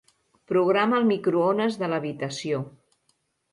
Programa el microones de l'habitació.